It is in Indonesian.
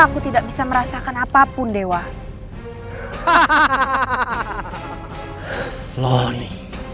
aku tidak akan bisa lakukan apa apa lagi